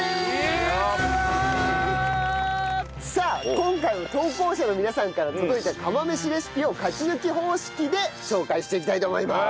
さあ今回も投稿者の皆さんから届いた釜飯レシピを勝ち抜き方式で紹介していきたいと思います。